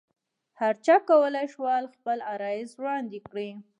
هرچا کولای شول خپل عرایض وړاندې کړي.